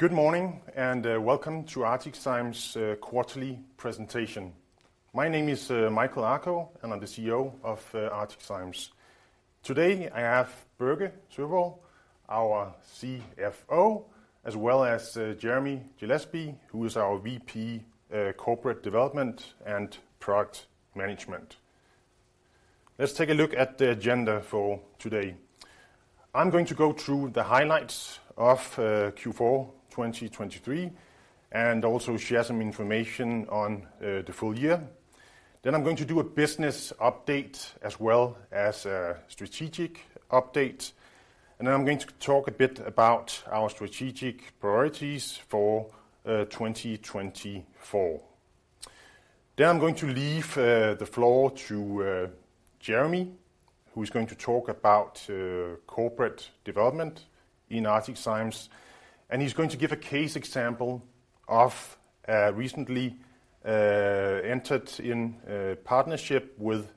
Good morning, and welcome to ArcticZymes' Quarterly Presentation. My name is Michael Akoh, and I'm the CEO of ArcticZymes. Today, I have Børge Sørvoll, our CFO, as well as Jeremy Gillespie, who is our VP, Corporate Development and Product Management. Let's take a look at the agenda for today. I'm going to go through the highlights of Q4 2023, and also share some information on the full year. Then I'm going to do a business update as well as a strategic update, and then I'm going to talk a bit about our strategic priorities for 2024. Then I'm going to leave the floor to Jeremy, who is going to talk about corporate development in ArcticZymes, and he's going to give a case example of recently entered in a partnership with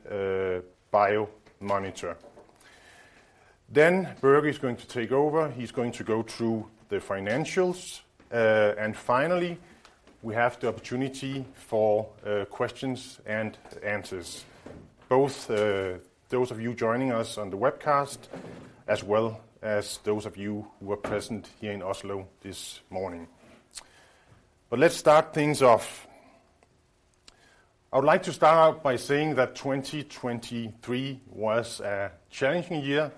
Biomatter. Then Børge is going to take over. He's going to go through the financials. And finally, we have the opportunity for questions and answers. Both those of you joining us on the webcast, as well as those of you who are present here in Oslo this morning. But let's start things off. I would like to start out by saying that 2023 was a challenging year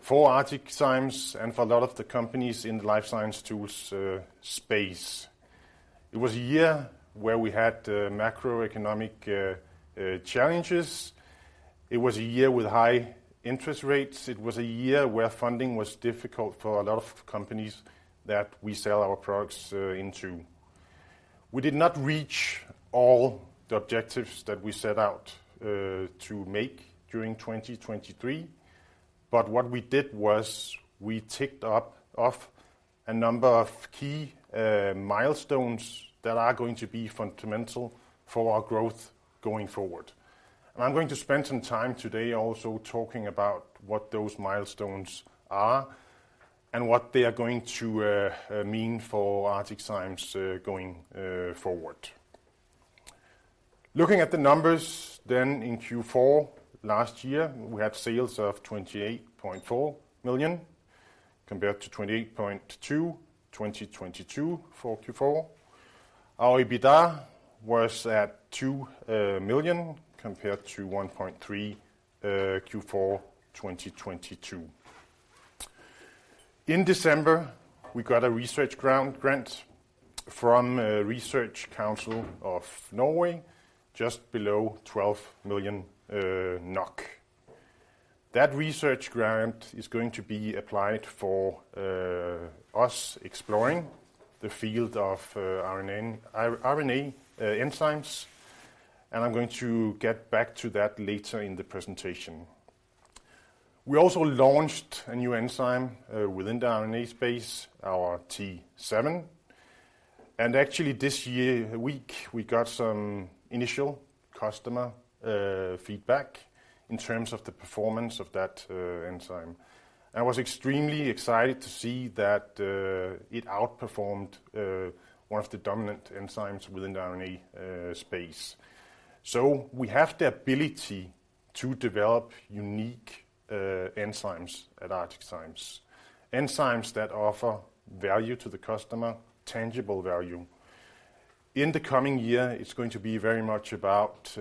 for ArcticZymes and for a lot of the companies in the life science tools space. It was a year where we had macroeconomic challenges. It was a year with high interest rates. It was a year where funding was difficult for a lot of companies that we sell our products into. We did not reach all the objectives that we set out to make during 2023, but what we did was we ticked up off a number of key milestones that are going to be fundamental for our growth going forward. I'm going to spend some time today also talking about what those milestones are and what they are going to mean for ArcticZymes going forward. Looking at the numbers then in Q4 last year, we had sales of 28.4 million, compared to 28.2 million in 2022 for Q4. Our EBITDA was at 2 million, compared to 1.3 million in Q4 2022. In December, we got a research grant from Research Council of Norway, just below 12 million NOK. That research grant is going to be applied for us exploring the field of RNA enzymes, and I'm going to get back to that later in the presentation. We also launched a new enzyme within the RNA space, our T7, and actually this year we got some initial customer feedback in terms of the performance of that enzyme. I was extremely excited to see that it outperformed one of the dominant enzymes within the RNA space. So we have the ability to develop unique enzymes at ArcticZymes. Enzymes that offer value to the customer, tangible value. In the coming year, it's going to be very much about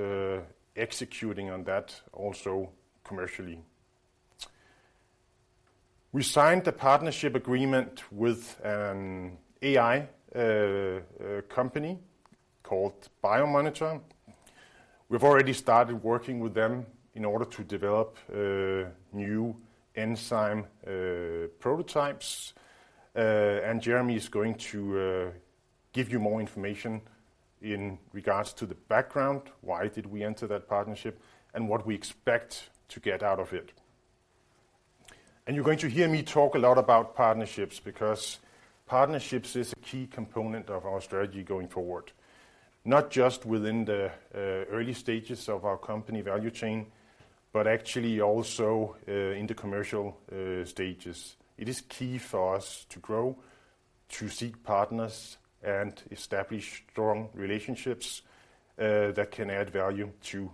executing on that also commercially. We signed a partnership agreement with an AI company called Biomatter. We've already started working with them in order to develop new enzyme prototypes, and Jeremy is going to give you more information in regards to the background, why did we enter that partnership, and what we expect to get out of it. You're going to hear me talk a lot about partnerships, because partnerships is a key component of our strategy going forward, not just within the early stages of our company value chain, but actually also in the commercial stages. It is key for us to grow, to seek partners, and establish strong relationships that can add value to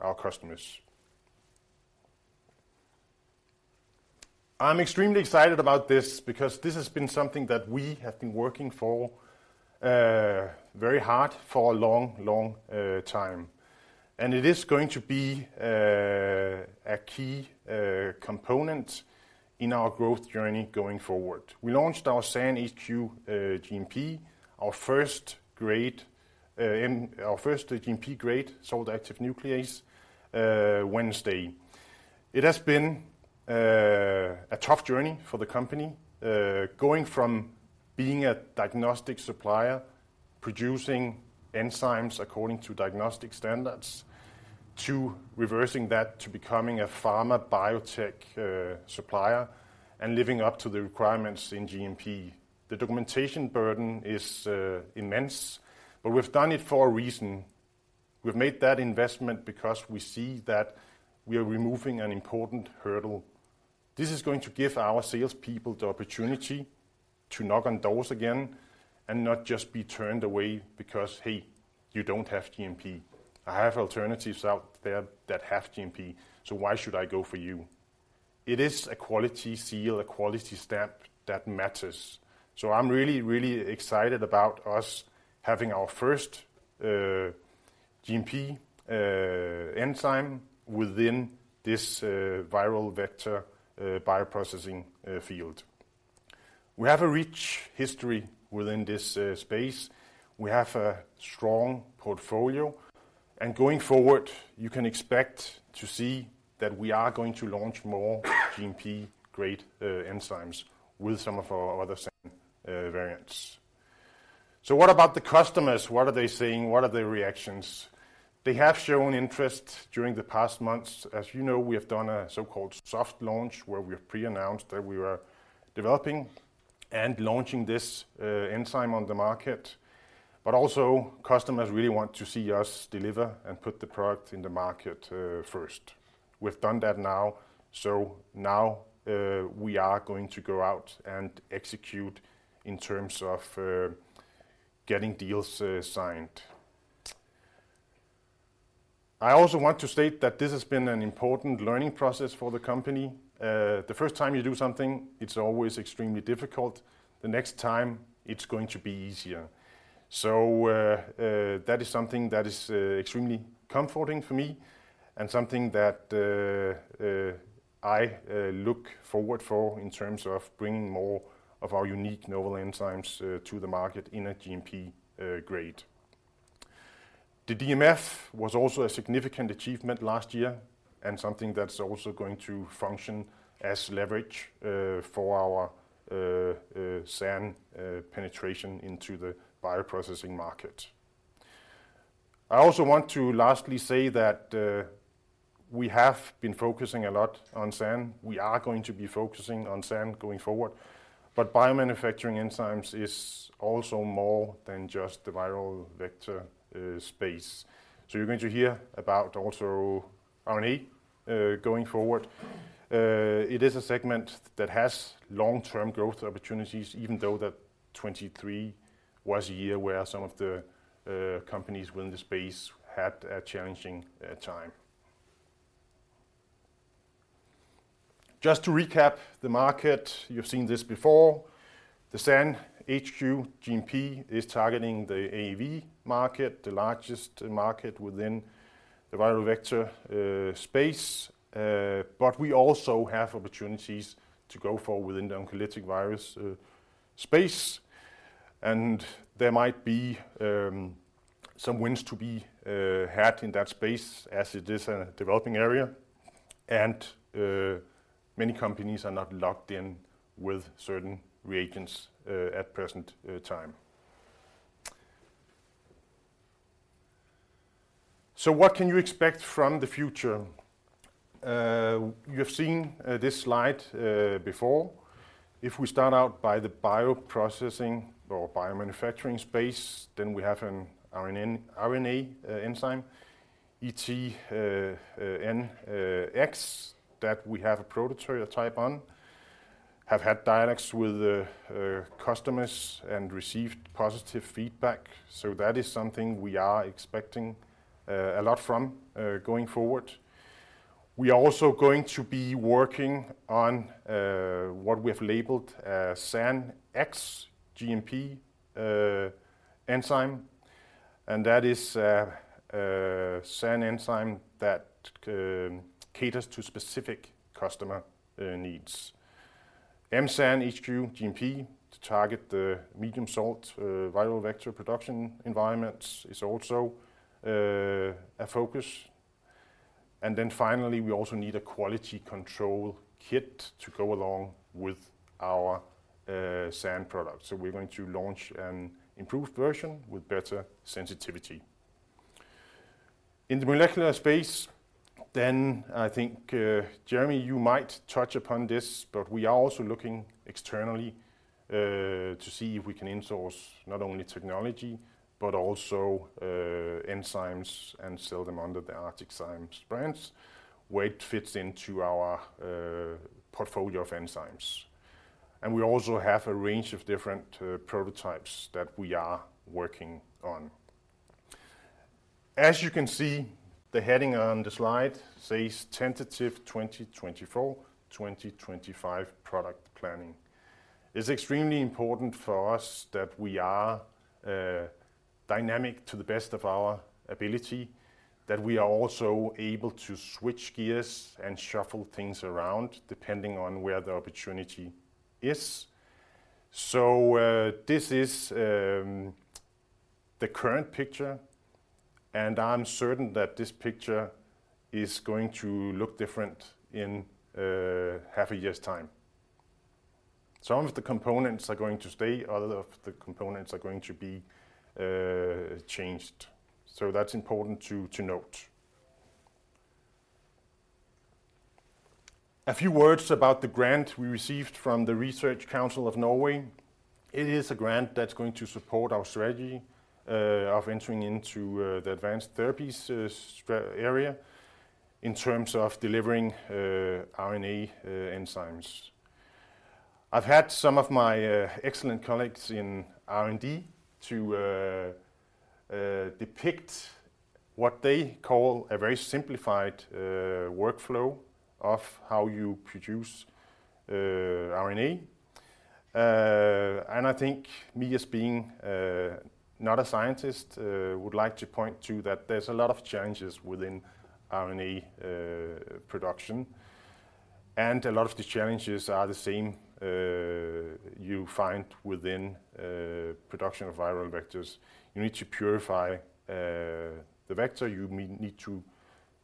our customers. I'm extremely excited about this, because this has been something that we have been working for very hard for a long, long time. It is going to be a key component in our growth journey going forward. We launched our SAN HQ GMP, our first GMP-grade salt-active nuclease Wednesday. It has been a tough journey for the company, going from being a diagnostic supplier, producing enzymes according to diagnostic standards, to reversing that to becoming a pharma biotech supplier and living up to the requirements in GMP. The documentation burden is immense, but we've done it for a reason. We've made that investment because we see that we are removing an important hurdle. This is going to give our salespeople the opportunity to knock on doors again and not just be turned away because, "Hey, you don't have GMP. I have alternatives out there that have GMP, so why should I go for you?" It is a quality seal, a quality stamp that matters. So I'm really, really excited about us having our first GMP enzyme within this viral vector bioprocessing field. We have a rich history within this space. We have a strong portfolio, and going forward, you can expect to see that we are going to launch more GMP-grade enzymes with some of our other SAN variants. So what about the customers? What are they saying? What are their reactions? They have shown interest during the past months. As you know, we have done a so-called soft launch, where we have pre-announced that we were developing and launching this enzyme on the market. But also, customers really want to see us deliver and put the product in the market, first. We've done that now, so now, we are going to go out and execute in terms of, getting deals, signed. I also want to state that this has been an important learning process for the company. The first time you do something, it's always extremely difficult. The next time, it's going to be easier. So, that is something that is, extremely comforting for me and something that, I, look forward for in terms of bringing more of our unique novel enzymes, to the market in a GMP, grade. The DMF was also a significant achievement last year and something that's also going to function as leverage, for our, SAN, penetration into the bioprocessing market. I also want to lastly say that, we have been focusing a lot on SAN. We are going to be focusing on SAN going forward, but biomanufacturing enzymes is also more than just the viral vector space. So you're going to hear about also RNA going forward. It is a segment that has long-term growth opportunities, even though that 2023 was a year where some of the companies within the space had a challenging time. Just to recap the market, you've seen this before. The SAN HQ GMP is targeting the AAV market, the largest market within the viral vector space. But we also have opportunities to go for within the oncolytic virus space, and there might be some wins to be had in that space as it is a developing area, and many companies are not locked in with certain reagents at present time. So what can you expect from the future? You've seen this slide before. If we start out by the bioprocessing or biomanufacturing space, then we have an RNA enzyme, ET-N1, that we have a prototype on, have had dialogues with customers and received positive feedback, so that is something we are expecting a lot from going forward. We are also going to be working on what we have labeled SANx GMP enzyme, and that is a SAN enzyme that caters to specific customer needs. M-SAN HQ GMP to target the medium-salt viral vector production environments is also a focus. And then finally, we also need a quality control kit to go along with our SAN product. So we're going to launch an improved version with better sensitivity. In the molecular space, then I think Jeremy, you might touch upon this, but we are also looking externally to see if we can in-source not only technology, but also enzymes and sell them under the ArcticZymes brands, where it fits into our portfolio of enzymes. And we also have a range of different prototypes that we are working on. As you can see, the heading on the slide says, "Tentative 2024, 2025 product planning." It's extremely important for us that we are dynamic to the best of our ability, that we are also able to switch gears and shuffle things around depending on where the opportunity is. So this is the current picture, and I'm certain that this picture is going to look different in half a year's time. Some of the components are going to stay, other of the components are going to be changed. So that's important to note. A few words about the grant we received from the Research Council of Norway. It is a grant that's going to support our strategy of entering into the advanced therapies area in terms of delivering RNA enzymes. I've had some of my excellent colleagues in R&D to depict what they call a very simplified workflow of how you produce RNA. And I think me, as being not a scientist, would like to point to that there's a lot of challenges within RNA production, and a lot of the challenges are the same you find within production of viral vectors. You need to purify the vector. You need to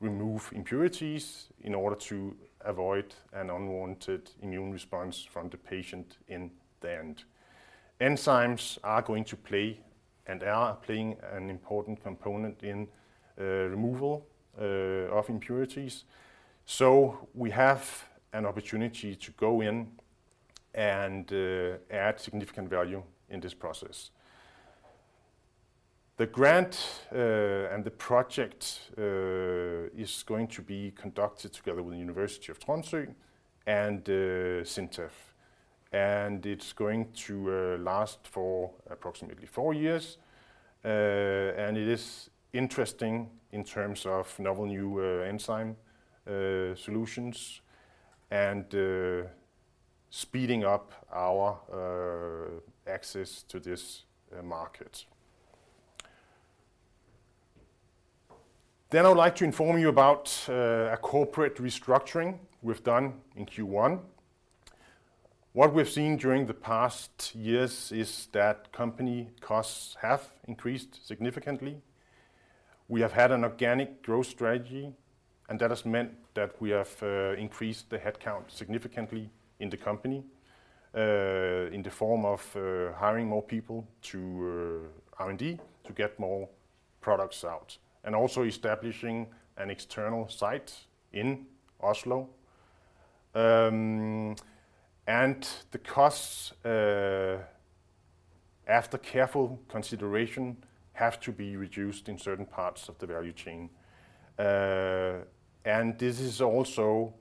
remove impurities in order to avoid an unwanted immune response from the patient in the end. Enzymes are going to play, and are playing, an important component in removal of impurities, so we have an opportunity to go in and add significant value in this process. The grant and the project is going to be conducted together with the University of Tromsø and SINTEF, and it's going to last for approximately four years. It is interesting in terms of novel new enzyme solutions and speeding up our access to this market. Then I would like to inform you about a corporate restructuring we've done in Q1. What we've seen during the past years is that company costs have increased significantly. We have had an organic growth strategy, and that has meant that we have increased the headcount significantly in the company in the form of hiring more people to R&D to get more products out, and also establishing an external site in Oslo. And the costs, after careful consideration, have to be reduced in certain parts of the value chain. And this is also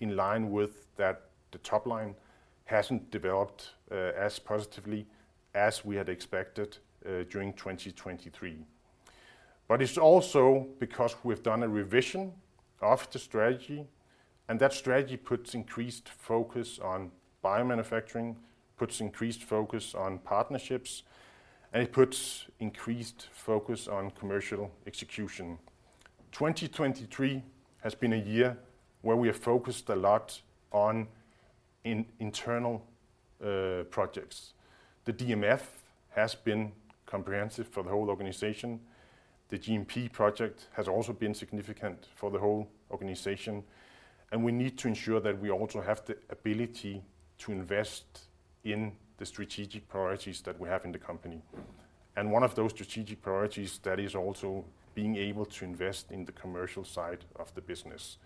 in line with that the top line hasn't developed as positively as we had expected during 2023. But it's also because we've done a revision of the strategy, and that strategy puts increased focus on biomanufacturing, puts increased focus on partnerships, and it puts increased focus on commercial execution. 2023 has been a year where we have focused a lot on internal projects. The DMF has been comprehensive for the whole organization. The GMP project has also been significant for the whole organization, and we need to ensure that we also have the ability to invest in the strategic priorities that we have in the company. One of those strategic priorities, that is also being able to invest in the commercial side of the business.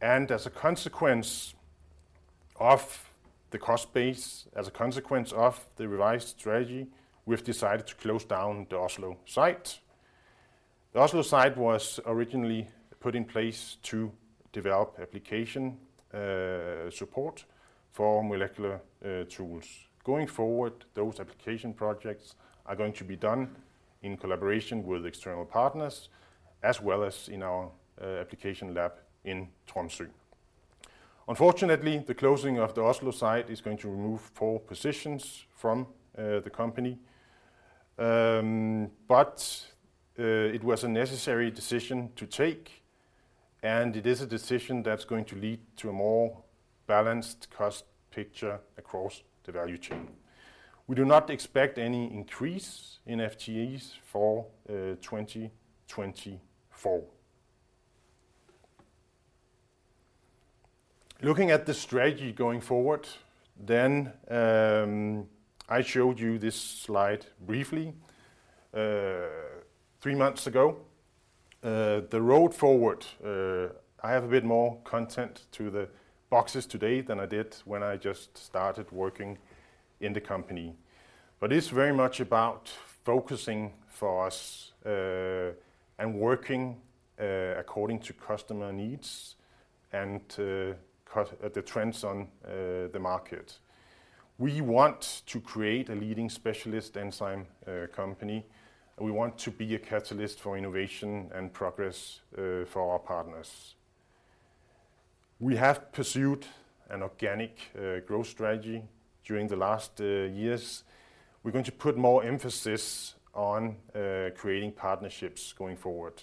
And as a consequence of the cost base, as a consequence of the revised strategy, we've decided to close down the Oslo site. The Oslo site was originally put in place to develop application support for molecular tools. Going forward, those application projects are going to be done in collaboration with external partners, as well as in our application lab in Tromsø. Unfortunately, the closing of the Oslo site is going to remove 4 positions from the company. But it was a necessary decision to take, and it is a decision that's going to lead to a more balanced cost picture across the value chain. We do not expect any increase in FTEs for 2024. Looking at the strategy going forward, then, I showed you this slide briefly, three months ago. The road forward, I have a bit more content to the boxes today than I did when I just started working in the company. But it's very much about focusing for us, and working according to customer needs and cut the trends on the market. We want to create a leading specialist enzyme company, and we want to be a catalyst for innovation and progress for our partners. We have pursued an organic growth strategy during the last years. We're going to put more emphasis on creating partnerships going forward.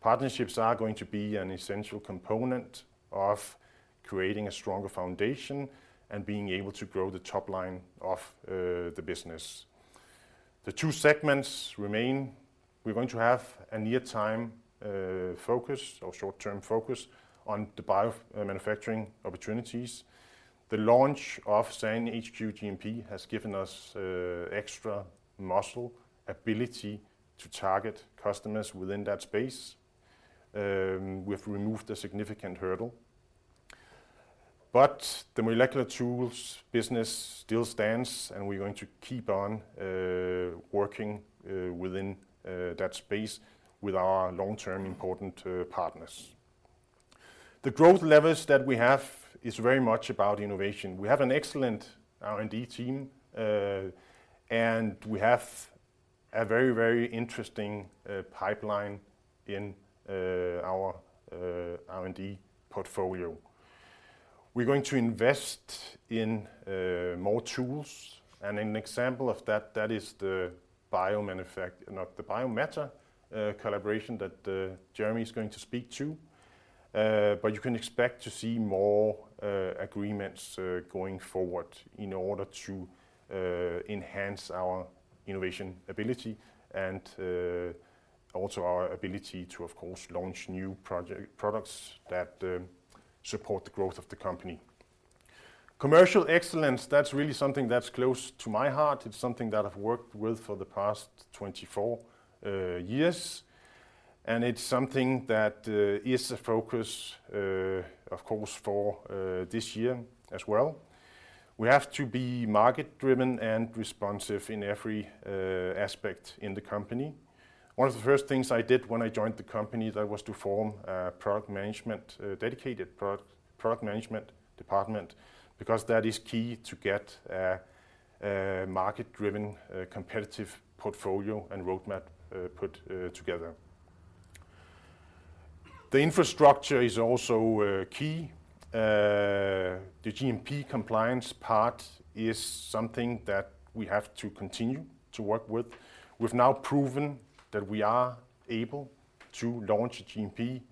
Partnerships are going to be an essential component of creating a stronger foundation and being able to grow the top line of the business. The two segments remain. We're going to have a near-time, focus or short-term focus on the biomanufacturing opportunities. The launch of SAN HQ GMP has given us, extra muscle ability to target customers within that space. We've removed a significant hurdle. But the molecular tools business still stands, and we're going to keep on, working, within, that space with our long-term important, partners. The growth levers that we have is very much about innovation. We have an excellent R&D team, and we have a very, very interesting, pipeline in, our, R&D portfolio. We're going to invest in, more tools, and an example of that, that is the biomanufac- not the Biomatter, collaboration that, Jeremy is going to speak to. But you can expect to see more agreements going forward in order to enhance our innovation ability and also our ability to, of course, launch new products that support the growth of the company. Commercial excellence, that's really something that's close to my heart. It's something that I've worked with for the past 24 years, and it's something that is a focus, of course, for this year as well. We have to be market driven and responsive in every aspect in the company. One of the first things I did when I joined the company, that was to form a product management, a dedicated product management department, because that is key to get a market-driven competitive portfolio and roadmap put together. The infrastructure is also key. The GMP compliance part is something that we have to continue to work with. We've now proven that we are able to launch a GMP,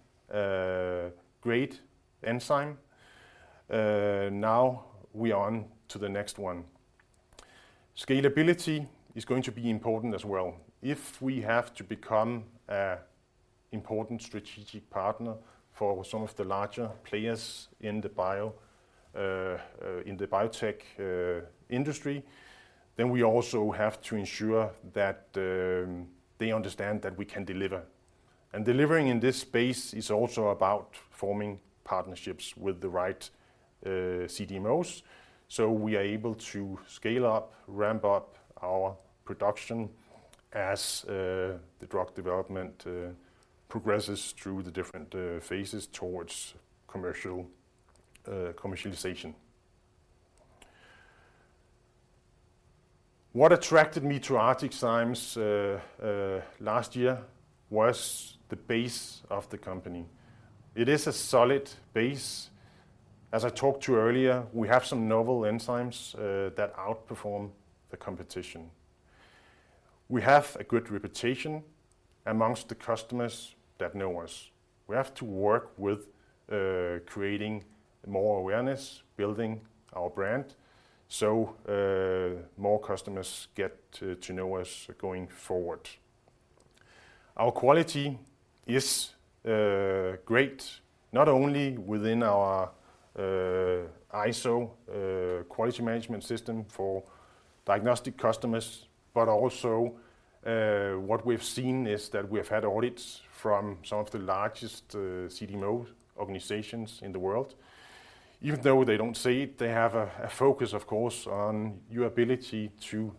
great enzyme. Now we are on to the next one. Scalability is going to be important as well. If we have to become a important strategic partner for some of the larger players in the bio, in the biotech, industry, then we also have to ensure that, they understand that we can deliver. And delivering in this space is also about forming partnerships with the right, CDMOs, so we are able to scale up, ramp up our production as, the drug development, progresses through the different, phases towards commercial, commercialization. What attracted me to ArcticZymes, last year was the base of the company. It is a solid base. As I talked to you earlier, we have some novel enzymes that outperform the competition. We have a good reputation amongst the customers that know us. We have to work with creating more awareness, building our brand, so more customers get to know us going forward. Our quality is great, not only within our ISO quality management system for diagnostic customers, but also what we've seen is that we've had audits from some of the largest CDMO organizations in the world. Even though they don't say it, they have a focus, of course, on your ability to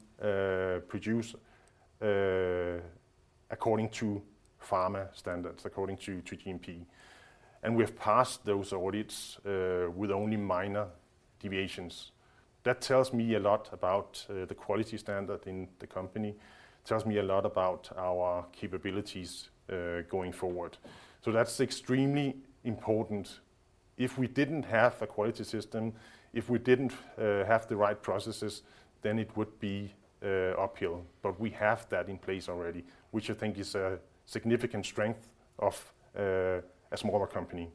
produce according to pharma standards, according to GMP. And we have passed those audits with only minor deviations. That tells me a lot about the quality standard in the company. It tells me a lot about our capabilities, going forward. So that's extremely important. If we didn't have a quality system, if we didn't have the right processes, then it would be uphill. But we have that in place already, which I think is a significant strength of a smaller company.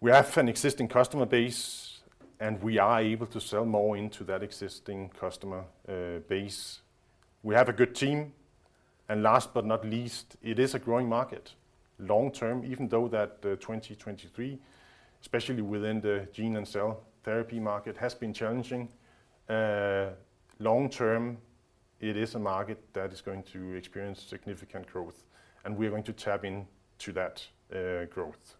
We have an existing customer base, and we are able to sell more into that existing customer base. We have a good team, and last but not least, it is a growing market. Long term, even though that 2023, especially within the gene and cell therapy market, has been challenging, long term, it is a market that is going to experience significant growth, and we are going to tap into that growth.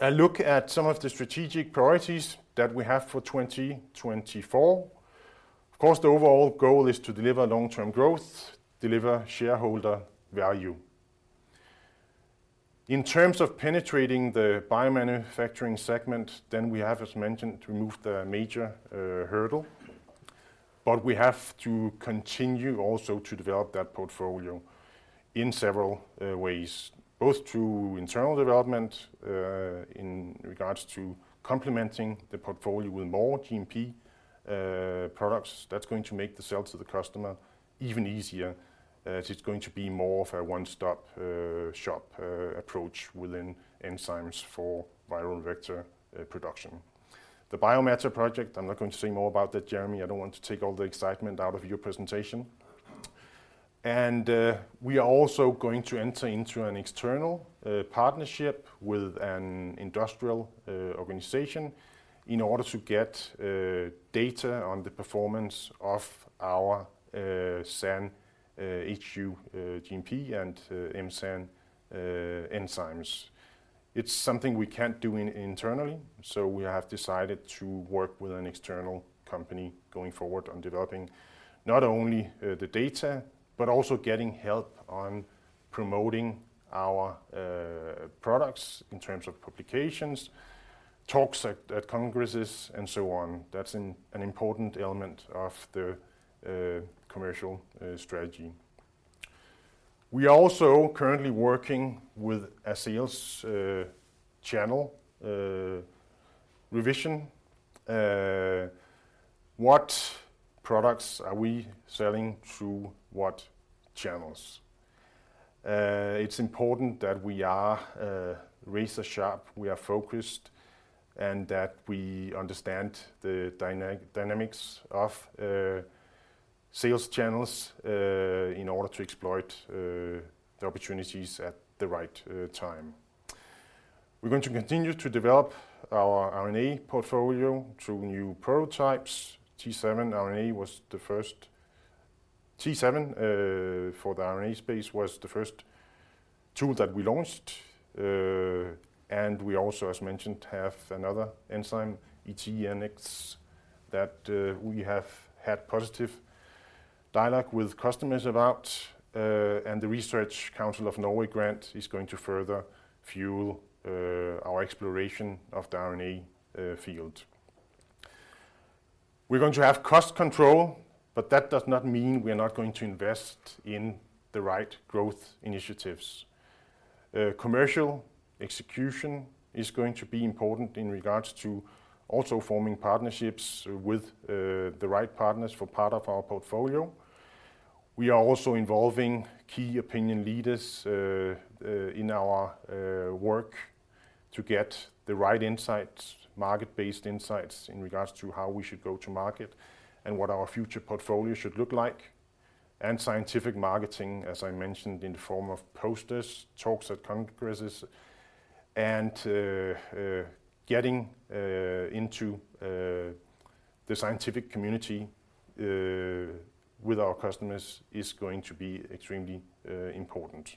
A look at some of the strategic priorities that we have for 2024. Of course, the overall goal is to deliver long-term growth, deliver shareholder value. In terms of penetrating the biomanufacturing segment, then we have, as mentioned, removed the major hurdle, but we have to continue also to develop that portfolio in several ways, both through internal development, in regards to complementing the portfolio with more GMP products. That's going to make the sale to the customer even easier, as it's going to be more of a one-stop shop approach within enzymes for viral vector production. The Biomatter project, I'm not going to say more about that, Jeremy. I don't want to take all the excitement out of your presentation. We are also going to enter into an external partnership with an industrial organization in order to get data on the performance of our SAN HQ GMP and M-SAN enzymes. It's something we can't do internally, so we have decided to work with an external company going forward on developing not only the data, but also getting help on promoting our products in terms of publications, talks at congresses, and so on. That's an important element of the commercial strategy. We are also currently working with a sales channel revision. What products are we selling through what channels? It's important that we are razor sharp, we are focused, and that we understand the dynamics of sales channels in order to exploit the opportunities at the right time. We're going to continue to develop our RNA portfolio through new prototypes. T7 RNA was the first T7 for the RNA space, was the first tool that we launched. And we also, as mentioned, have another enzyme, ET-N1, that we have had positive dialogue with customers about. And the Research Council of Norway grant is going to further fuel our exploration of the RNA field. We're going to have cost control, but that does not mean we are not going to invest in the right growth initiatives. Commercial execution is going to be important in regards to also forming partnerships with the right partners for part of our portfolio. We are also involving key opinion leaders in our work to get the right insights, market-based insights, in regards to how we should go to market and what our future portfolio should look like, and scientific marketing, as I mentioned, in the form of posters, talks at congresses, and getting into the scientific community with our customers is going to be extremely important.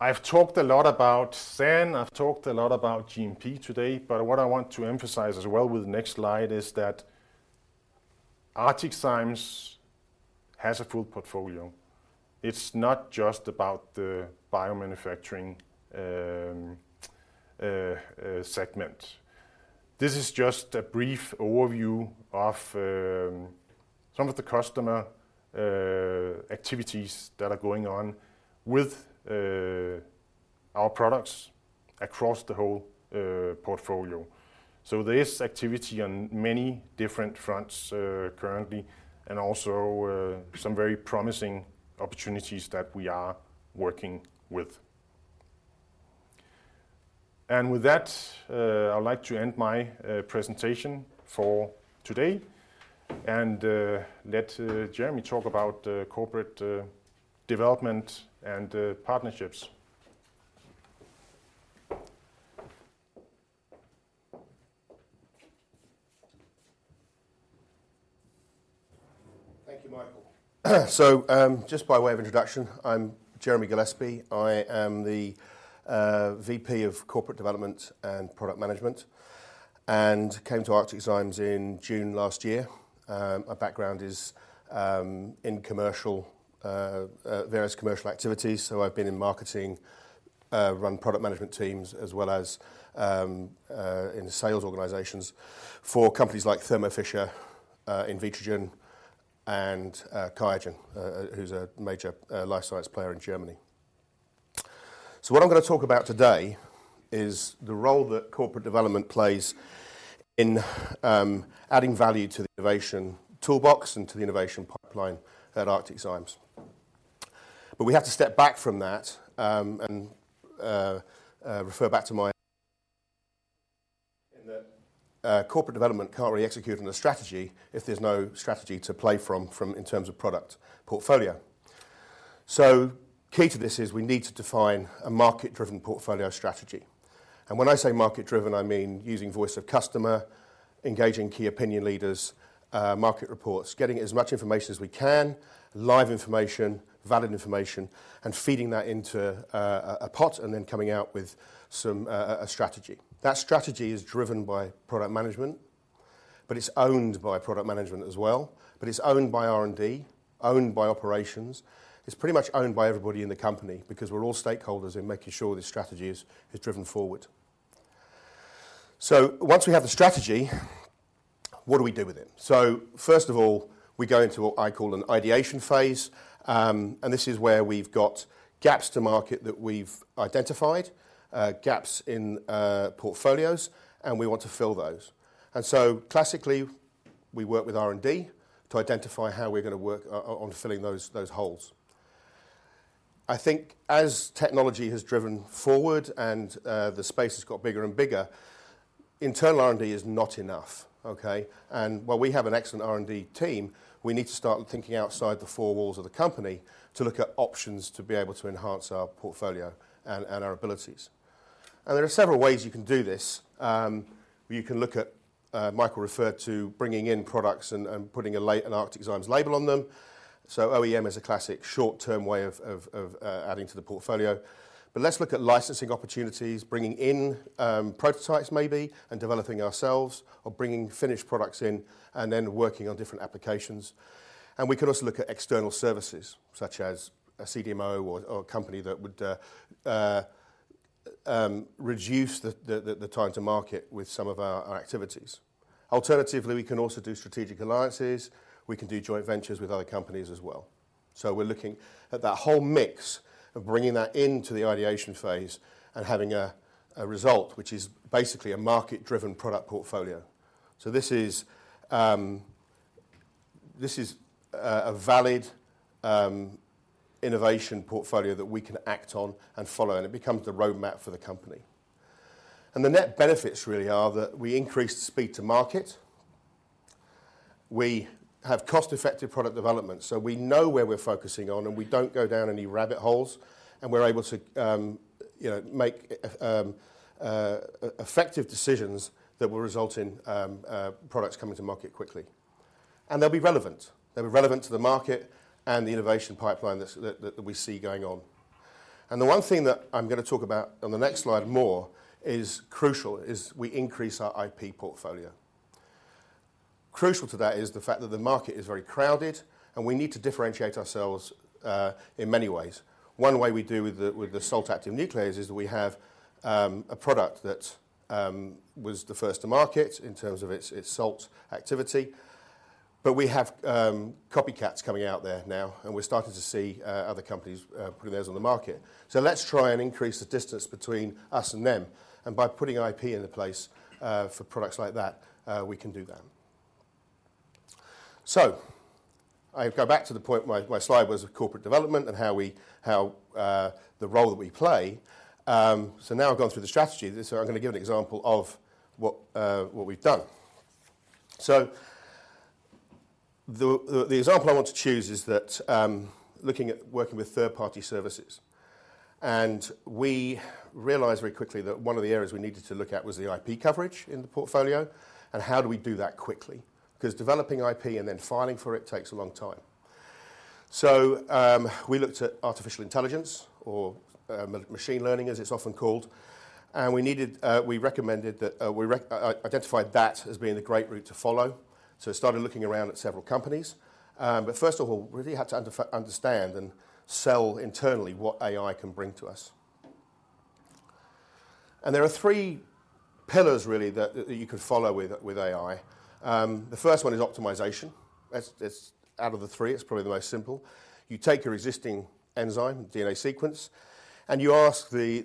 I've talked a lot about SAN, I've talked a lot about GMP today, but what I want to emphasize as well with the next slide is that ArcticZymes has a full portfolio. It's not just about the biomanufacturing segment. This is just a brief overview of some of the customer activities that are going on with our products across the whole portfolio. So there is activity on many different fronts currently, and also some very promising opportunities that we are working with. And with that, I'd like to end my presentation for today and let Jeremy talk about corporate development and partnerships. Thank you, Michael. So, just by way of introduction, I'm Jeremy Gillespie. I am the VP of Corporate Development and Product Management, and came to ArcticZymes in June last year. My background is in commercial various commercial activities, so I've been in marketing, run product management teams, as well as in sales organizations for companies like Thermo Fisher, Invitrogen, and QIAGEN, who's a major life science player in Germany. So what I'm gonna talk about today is the role that corporate development plays in adding value to the innovation toolbox and to the innovation pipeline at ArcticZymes. But we have to step back from that and refer back to my... In that, corporate development can't really execute on a strategy if there's no strategy to play from in terms of product portfolio. So key to this is we need to define a market-driven portfolio strategy. And when I say market driven, I mean using voice of customer, engaging key opinion leaders, market reports, getting as much information as we can, live information, valid information, and feeding that into a pot, and then coming out with some strategy. That strategy is driven by product management, but it's owned by product management as well, but it's owned by R&D, owned by operations. It's pretty much owned by everybody in the company because we're all stakeholders in making sure this strategy is driven forward. So once we have the strategy, what do we do with it? So first of all, we go into what I call an ideation phase, and this is where we've got gaps to market that we've identified, gaps in portfolios, and we want to fill those. And so classically, we work with R&D to identify how we're gonna work on filling those, those holes. I think as technology has driven forward and the space has got bigger and bigger, internal R&D is not enough, okay? And while we have an excellent R&D team, we need to start thinking outside the four walls of the company to look at options to be able to enhance our portfolio and our abilities. And there are several ways you can do this. You can look at Michael referred to bringing in products and putting an ArcticZymes label on them. So OEM is a classic short-term way of adding to the portfolio. But let's look at licensing opportunities, bringing in prototypes maybe, and developing ourselves, or bringing finished products in, and then working on different applications. We can also look at external services, such as a CDMO or a company that would reduce the time to market with some of our activities. Alternatively, we can also do strategic alliances. We can do joint ventures with other companies as well. So we're looking at that whole mix of bringing that into the ideation phase and having a result, which is basically a market-driven product portfolio. So this is a valid innovation portfolio that we can act on and follow, and it becomes the roadmap for the company. The net benefits really are that we increase speed to market, we have cost-effective product development, so we know where we're focusing on, and we don't go down any rabbit holes, and we're able to, you know, make effective decisions that will result in products coming to market quickly. And they'll be relevant. They'll be relevant to the market and the innovation pipeline that we see going on. And the one thing that I'm gonna talk about on the next slide more is crucial, we increase our IP portfolio. Crucial to that is the fact that the market is very crowded, and we need to differentiate ourselves in many ways. One way we do with the salt-active nuclease is that we have a product that was the first to market in terms of its salt activity, but we have copycats coming out there now, and we're starting to see other companies putting theirs on the market. So let's try and increase the distance between us and them, and by putting IP into place for products like that, we can do that. So I go back to the point where my slide was of corporate development and how the role that we play. So now I've gone through the strategy, so I'm gonna give an example of what we've done. So the example I want to choose is that, looking at working with third-party services, and we realized very quickly that one of the areas we needed to look at was the IP coverage in the portfolio, and how do we do that quickly? Because developing IP and then filing for it takes a long time. So we looked at artificial intelligence, or machine learning, as it's often called, and we needed, we recommended that we identified that as being a great route to follow. So we started looking around at several companies. But first of all, we really had to understand and sell internally what AI can bring to us. And there are three pillars, really, that you could follow with AI. The first one is optimization. It's out of the three, it's probably the most simple. You take your existing enzyme, DNA sequence, and you ask the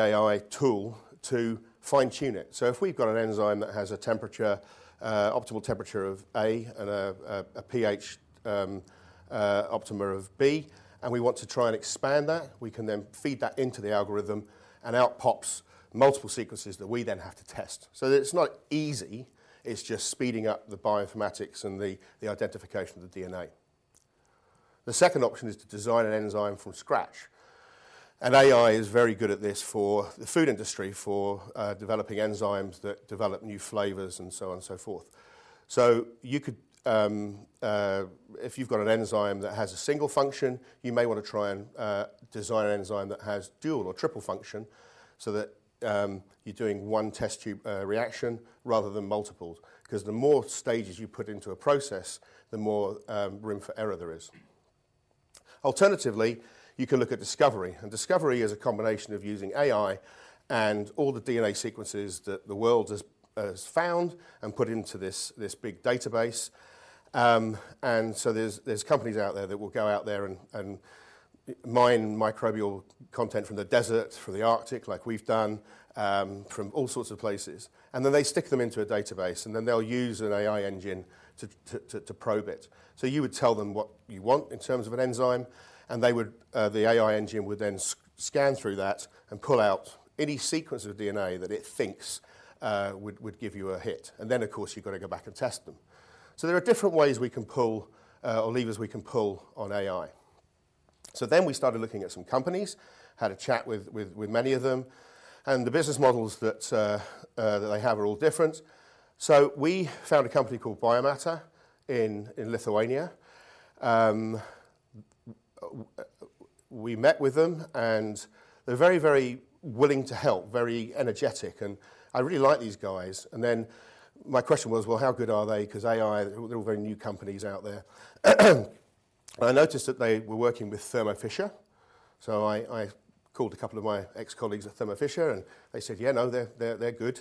AI tool to fine-tune it. So if we've got an enzyme that has an optimal temperature of A and a pH optima of B, and we want to try and expand that, we can then feed that into the algorithm, and out pops multiple sequences that we then have to test. So it's not easy, it's just speeding up the bioinformatics and the identification of the DNA. The second option is to design an enzyme from scratch, and AI is very good at this for the food industry, for developing enzymes that develop new flavors, and so on and so forth. So you could, if you've got an enzyme that has a single function, you may want to try and design an enzyme that has dual or triple function, so that you're doing one test tube reaction rather than multiples. Because the more stages you put into a process, the more room for error there is. Alternatively, you can look at discovery, and discovery is a combination of using AI and all the DNA sequences that the world has found and put into this big database. And so there are companies out there that will go out there and mine microbial content from the desert, from the Arctic, like we've done, from all sorts of places, and then they stick them into a database, and then they'll use an AI engine to probe it. So you would tell them what you want in terms of an enzyme, and they would, the AI engine would then scan through that and pull out any sequence of DNA that it thinks would give you a hit. And then, of course, you've got to go back and test them. So there are different ways we can pull or levers we can pull on AI. So then we started looking at some companies, had a chat with many of them, and the business models that they have are all different. So we found a company called Biomatter in Lithuania. We met with them, and they're very willing to help, very energetic, and I really like these guys. And then my question was, "Well, how good are they?" Because AI, they're all very new companies out there. I noticed that they were working with Thermo Fisher, so I called a couple of my ex-colleagues at Thermo Fisher, and they said: "Yeah, no, they're good."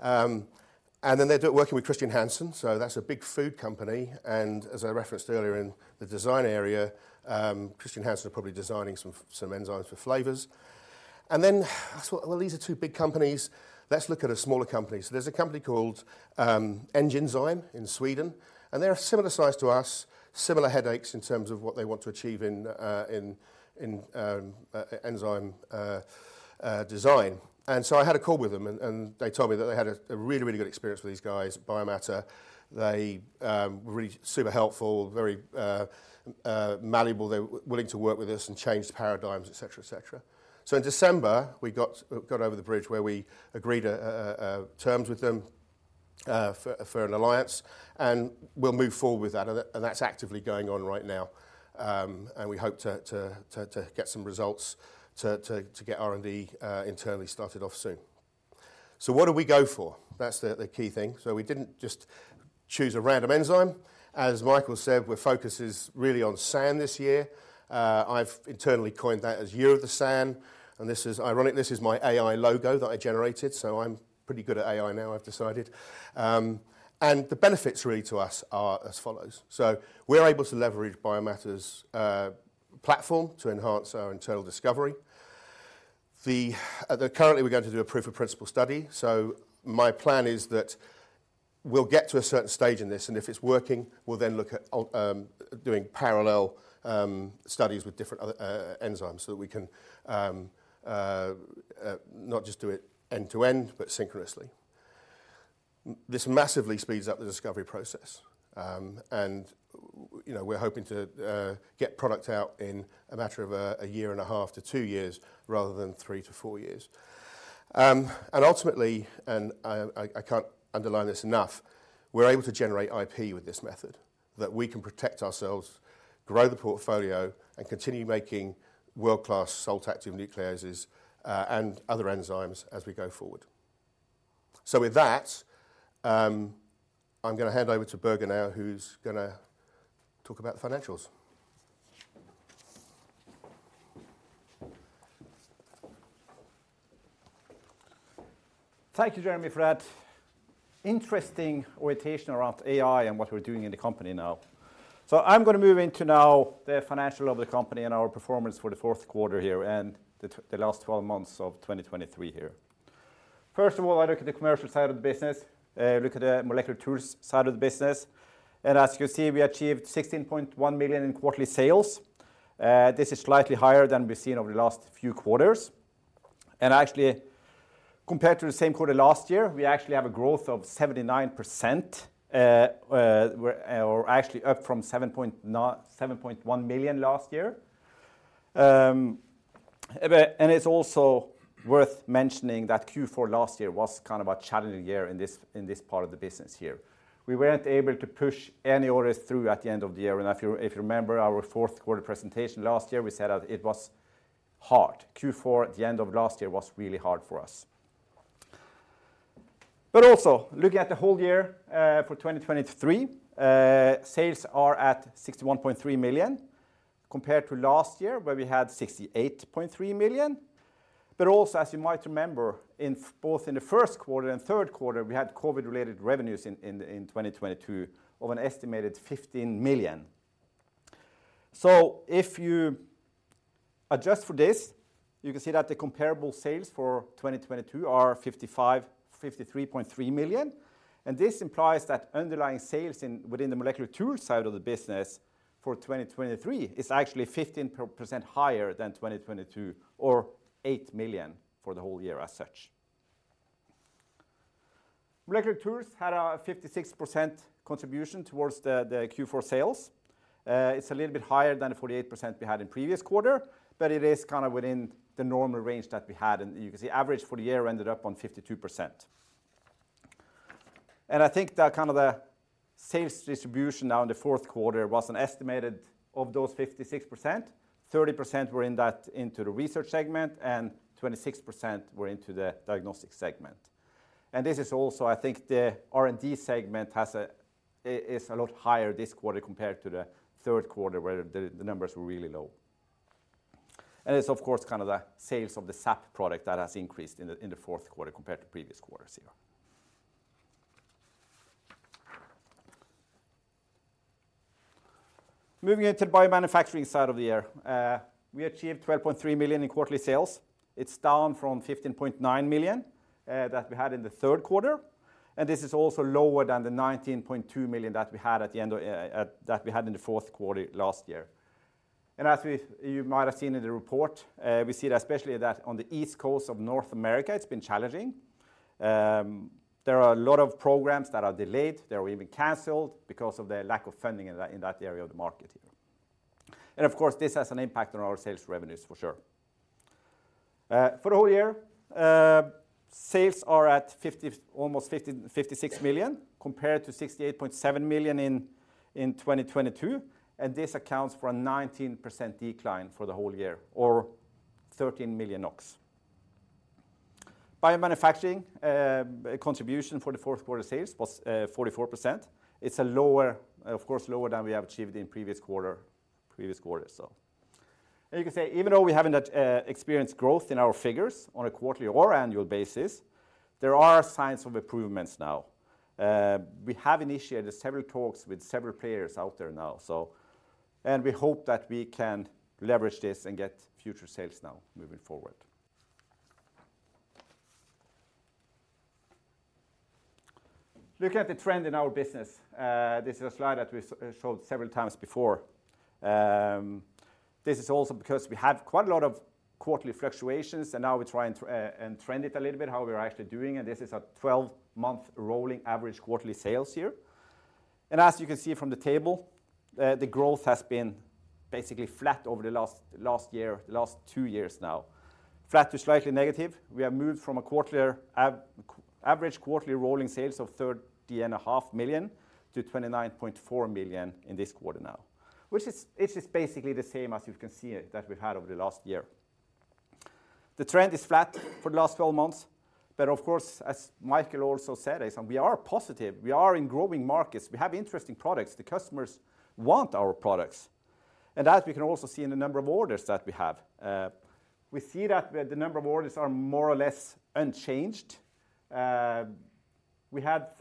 And then they're working with Chr. Hansen, so that's a big food company, and as I referenced earlier in the design area, Chr. Hansen are probably designing some enzymes for flavors. And then I thought, well, these are two big companies, let's look at a smaller company. So there's a company called Enginzyme in Sweden, and they're a similar size to us, similar headaches in terms of what they want to achieve in enzyme design. I had a call with them and they told me that they had a really, really good experience with these guys, Biomatter. They were really super helpful, very malleable. They were willing to work with us and change the paradigms, et cetera, et cetera. So in December, we got over the bridge where we agreed terms with them for an alliance, and we'll move forward with that, and that's actively going on right now. And we hope to get some results, to get R&D internally started off soon. So what do we go for? That's the key thing. So we didn't just choose a random enzyme. As Michael said, our focus is really on SAN this year. I've internally coined that as Year of the SAN, and this is ironic. This is my AI logo that I generated, so I'm pretty good at AI now, I've decided. And the benefits really to us are as follows: so we're able to leverage Biomatter's platform to enhance our internal discovery. Currently, we're going to do a proof of principle study, so my plan is that we'll get to a certain stage in this, and if it's working, we'll then look at doing parallel studies with different other enzymes, so that we can not just do it end to end, but synchronously. This massively speeds up the discovery process. And you know, we're hoping to get product out in a matter of a year and a half to two years, rather than three to four years. And ultimately, I can't underline this enough, we're able to generate IP with this method, that we can protect ourselves, grow the portfolio, and continue making world-class salt-active nucleases and other enzymes as we go forward. So with that, I'm going to hand over to Børge now, who's going to talk about the financials. Thank you, Jeremy, for that interesting orientation around AI and what we're doing in the company now. I'm going to move into now the financial of the company and our performance for the fourth quarter here and the last 12 months of 2023 here. First of all, I look at the commercial side of the business, look at the molecular tools side of the business, and as you can see, we achieved 16.1 million in quarterly sales. This is slightly higher than we've seen over the last few quarters, and actually, compared to the same quarter last year, we actually have a growth of 79%, actually up from 7.1 million last year. But and it's also worth mentioning that Q4 last year was kind of a challenging year in this, in this part of the business here. We weren't able to push any orders through at the end of the year, and if you, if you remember our fourth quarter presentation last year, we said that it was hard. Q4 at the end of last year was really hard for us. But also, looking at the whole year, for 2023, sales are at 61.3 million, compared to last year, where we had 68.3 million. But also, as you might remember, in both the first quarter and third quarter, we had COVID-related revenues in, in, in 2022 of an estimated 15 million. So if you adjust for this, you can see that the comparable sales for 2022 are 53.3 million, and this implies that underlying sales within the molecular tools side of the business for 2023 is actually 15% higher than 2022, or 8 million for the whole year as such. Molecular tools had a 56% contribution towards the Q4 sales. It's a little bit higher than the 48% we had in previous quarter, but it is kind of within the normal range that we had, and you can see average for the year ended up on 52%. And I think that kind of the sales distribution now in the fourth quarter was an estimated, of those 56%, 30% were into the research segment, and 26% were into the diagnostic segment. And this is also, I think, the R&D segment has a, it is a lot higher this quarter compared to the third quarter, where the numbers were really low. And it's of course, kind of the sales of the SAP product that has increased in the fourth quarter compared to previous quarters here. Moving into the biomanufacturing side of the year, we achieved 12.3 million in quarterly sales. It's down from 15.9 million that we had in the third quarter, and this is also lower than the 19.2 million that we had in the fourth quarter last year. And as you might have seen in the report, we see that especially on the East Coast of North America, it's been challenging. There are a lot of programs that are delayed, they were even canceled because of the lack of funding in that area of the market. Of course, this has an impact on our sales revenues for sure. For the whole year, sales are at almost 56 million, compared to 68.7 million in 2022, and this accounts for a 19% decline for the whole year or 13 million NOK. Biomanufacturing contribution for the fourth quarter sales was 44%. It's lower, of course, lower than we have achieved in previous quarter, so. You can say, even though we haven't experienced growth in our figures on a quarterly or annual basis, there are signs of improvements now. We have initiated several talks with several players out there now, so. And we hope that we can leverage this and get future sales now moving forward. Looking at the trend in our business, this is a slide that we've shown several times before. This is also because we have quite a lot of quarterly fluctuations, and now we're trying to and trend it a little bit, how we're actually doing, and this is a twelve-month rolling average quarterly sales here. And as you can see from the table, the growth has been basically flat over the last year, the last two years now. Flat to slightly negative. We have moved from a quarterly average quarterly rolling sales of 30.5 million to 29.4 million in this quarter now, which is, it's just basically the same as you can see that we've had over the last year. The trend is flat for the last 12 months, but of course, as Michael also said, we are positive. We are in growing markets. We have interesting products. The customers want our products, and that we can also see in the number of orders that we have. We see that the number of orders are more or less unchanged. We had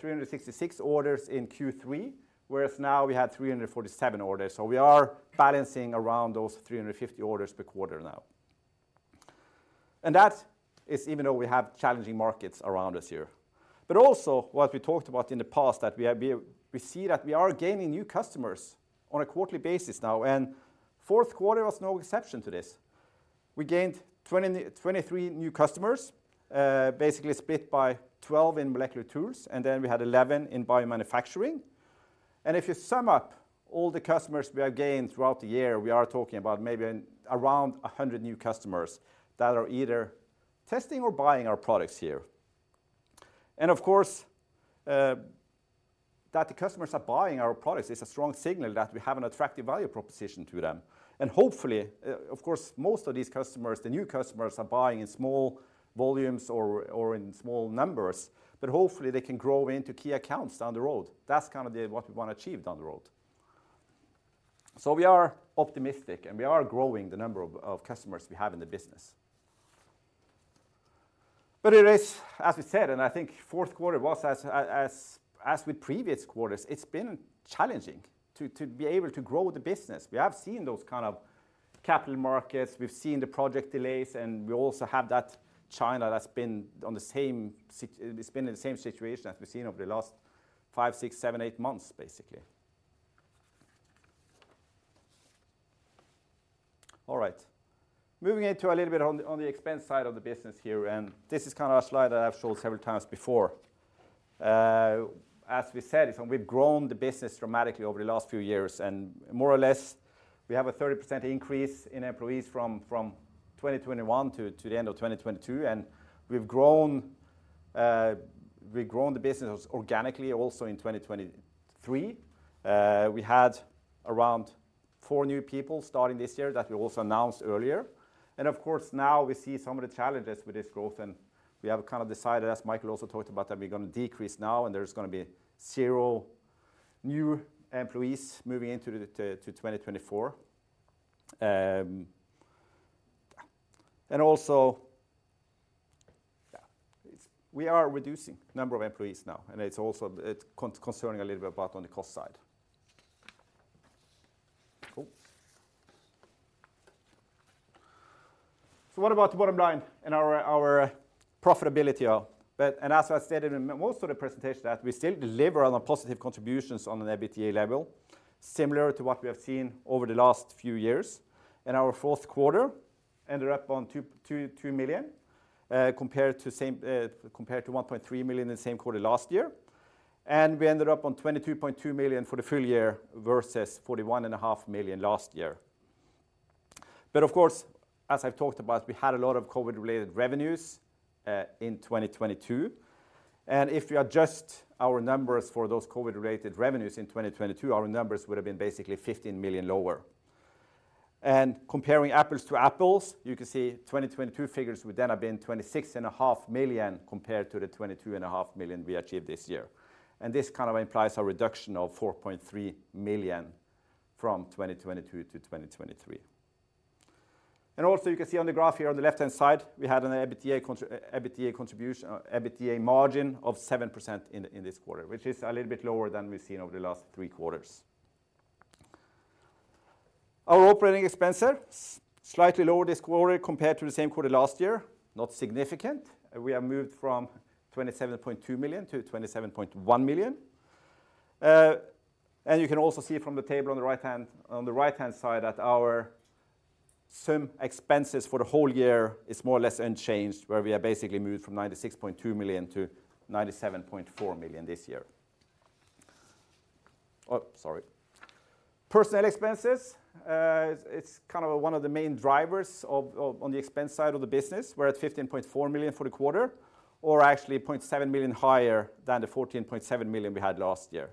366 orders in Q3, whereas now we have 347 orders. So we are balancing around those 350 orders per quarter now. That is even though we have challenging markets around us here. But also, what we talked about in the past, that we see that we are gaining new customers on a quarterly basis now, and fourth quarter was no exception to this. We gained 23 new customers, basically split by 12 in molecular tools, and then we had 11 in biomanufacturing. And if you sum up all the customers we have gained throughout the year, we are talking about maybe around 100 new customers that are either testing or buying our products here. And of course, that the customers are buying our products is a strong signal that we have an attractive value proposition to them. And hopefully, of course, most of these customers, the new customers, are buying in small volumes or in small numbers, but hopefully, they can grow into key accounts down the road. That's kind of the what we want to achieve down the road. So we are optimistic, and we are growing the number of customers we have in the business. But it is, as we said, and I think the fourth quarter was as with previous quarters, it's been challenging to be able to grow the business. We have seen those kind of capital markets, we've seen the project delays, and we also have that China that's been on the same—it's been in the same situation as we've seen over the last five, six, seven, eight months, basically. All right. Moving into a little bit on the expense side of the business here, and this is kind of a slide that I've shown several times before. As we said, we've grown the business dramatically over the last few years, and more or less, we have a 30% increase in employees from 2021 to the end of 2022, and we've grown the business organically also in 2023. We had around four new people starting this year that we also announced earlier. And of course, now we see some of the challenges with this growth, and we have kind of decided, as Michael also talked about, that we're gonna decrease now, and there's gonna be zero new employees moving into 2024. And also, yeah, we are reducing number of employees now, and it's also concerning a little bit about on the cost side. Cool. So what about the bottom line and our profitability here? But as I said in most of the presentations, that we still deliver on the positive contributions on an EBITDA level, similar to what we have seen over the last few years, and our fourth quarter ended up on 2.2 million compared to same, compared to 1.3 million in the same quarter last year. We ended up on 22.2 million for the full year versus 41.5 million last year. Of course, as I've talked about, we had a lot of COVID-related revenues in 2022, and if you adjust our numbers for those COVID-related revenues in 2022, our numbers would have been basically 15 million lower. Comparing apples to apples, you can see 2022 figures would then have been 26.5 million, compared to the 22.5 million we achieved this year. This kind of implies a reduction of 4.3 million from 2022 to 2023. Also, you can see on the graph here on the left-hand side, we had an EBITDA contribution, EBITDA margin of 7% in this quarter, which is a little bit lower than we've seen over the last three quarters. Our operating expenses, slightly lower this quarter compared to the same quarter last year, not significant. We have moved from 27.2 million to 27.1 million. And you can also see from the table on the right-hand, on the right-hand side, that our sum expenses for the whole year is more or less unchanged, where we have basically moved from 96.2 million to 97.4 million this year. Oh, sorry. Personnel expenses, it's kind of one of the main drivers of on the expense side of the business. We're at 15.4 million for the quarter, or actually 0.7 million higher than the 14.7 million we had last year.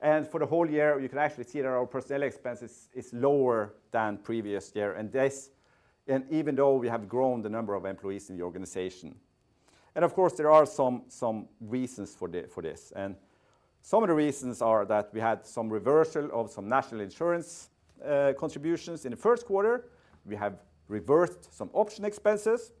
And for the whole year, you can actually see that our personnel expenses is lower than previous year, and even though we have grown the number of employees in the organization. And of course, there are some reasons for this. Some of the reasons are that we had some reversal of some national insurance contributions in the first quarter. We have reversed some option expenses.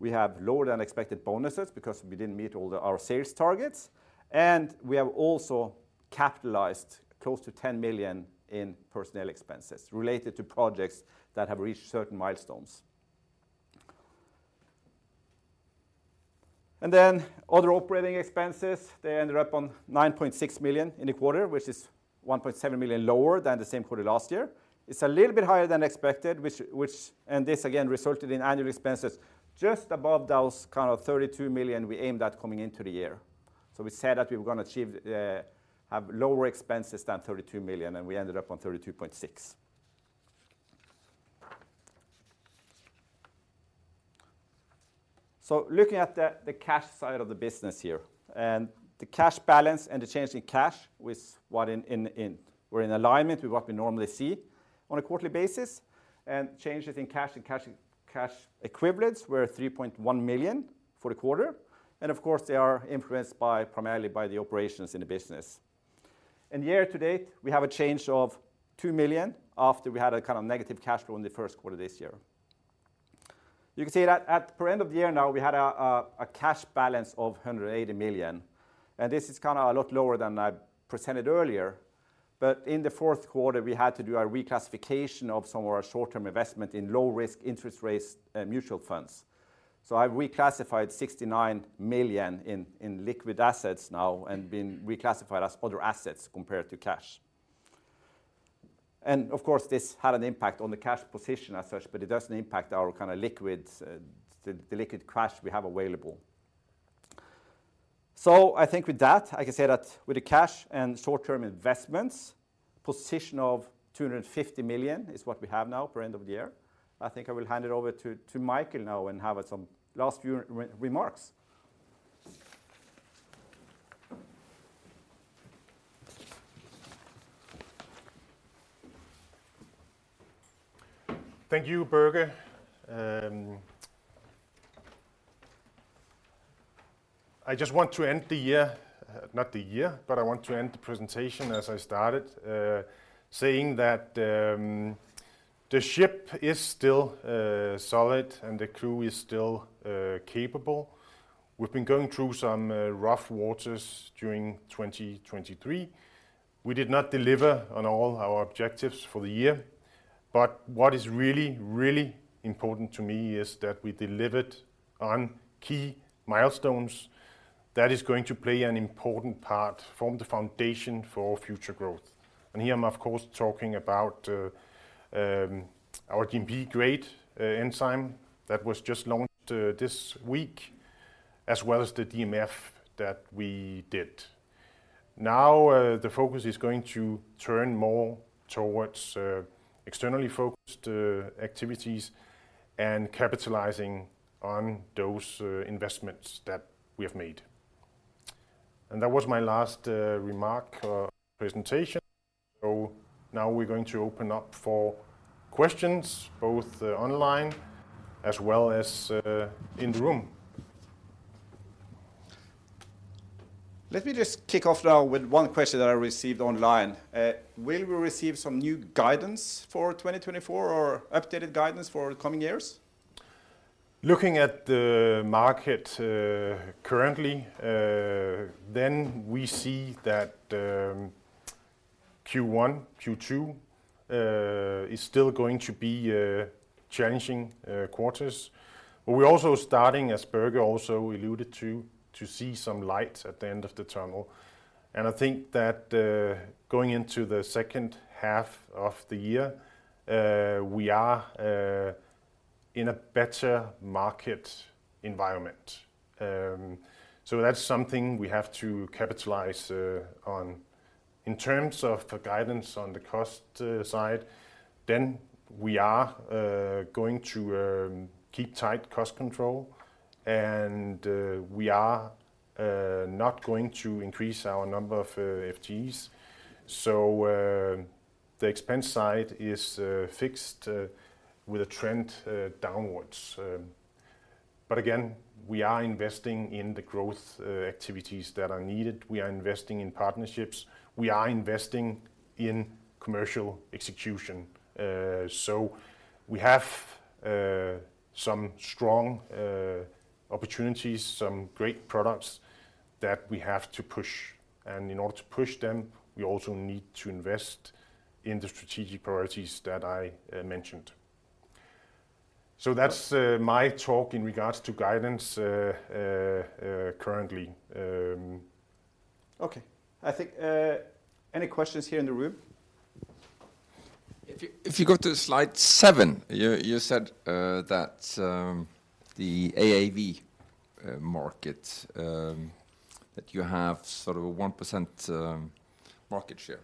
We have lower than expected bonuses because we didn't meet all the, our sales targets, and we have also capitalized close to 10 million in personnel expenses related to projects that have reached certain milestones. Then other operating expenses, they ended up on 9.6 million in the quarter, which is 1.7 million lower than the same quarter last year. It's a little bit higher than expected, which, and this again, resulted in annual expenses just above those kind of 32 million we aimed at coming into the year. We said that we were going to achieve, have lower expenses than 32 million, and we ended up on 32.6. So looking at the cash side of the business here, and the cash balance and the change in cash was what in... We're in alignment with what we normally see on a quarterly basis, and changes in cash and cash equivalents were 3.1 million for the quarter. And of course, they are influenced primarily by the operations in the business. And year to date, we have a change of 2 million after we had a kind of negative cash flow in the first quarter this year. You can see that at year end now, we had a cash balance of 180 million, and this is kind of a lot lower than I presented earlier. But in the fourth quarter, we had to do a reclassification of some of our short-term investment in low-risk, interest-rate, mutual funds. So I've reclassified 69 million in liquid assets now and been reclassified as other assets compared to cash. And of course, this had an impact on the cash position as such, but it doesn't impact our kind of liquid, the liquid cash we have available. So I think with that, I can say that with the cash and short-term investments, position of 250 million is what we have now per end of the year. I think I will hand it over to Michael now and have some last few remarks. Thank you, Børge. I just want to end the year, not the year, but I want to end the presentation as I started, saying that, the ship is still, solid and the crew is still, capable. We've been going through some, rough waters during 2023. We did not deliver on all our objectives for the year, but what is really important to me is that we delivered on key milestones that is going to play an important part, form the foundation for future growth. And here I'm of course, talking about, our GMP-grade, enzyme that was just launched, this week, as well as the DMF that we did. Now, the focus is going to turn more towards, externally focused, activities and capitalizing on those, investments that we have made. That was my last remark or presentation. Now we're going to open up for questions, both online as well as in the room. Let me just kick off now with one question that I received online. Will we receive some new guidance for 2024 or updated guidance for coming years? Looking at the market, currently, then we see that Q1, Q2 is still going to be challenging quarters. But we're also starting, as Børge also alluded to, to see some light at the end of the tunnel. And I think that going into the second half of the year, we are in a better market environment. So that's something we have to capitalize on. In terms of the guidance on the cost side, then we are going to keep tight cost control, and we are not going to increase our number of FTEs. So the expense side is fixed with a trend downwards. But again, we are investing in the growth activities that are needed. We are investing in partnerships. We are investing in commercial execution. So we have some strong opportunities, some great products that we have to push. And in order to push them, we also need to invest in the strategic priorities that I mentioned. So that's my talk in regards to guidance currently. Okay. I think, any questions here in the room? If you go to slide seven, you said that the AAV market that you have sort of a 1% market share.